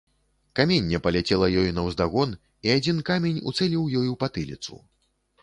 Каменне паляцела ёй наўздагон, і адзін камень уцэліў ёй у патыліцу.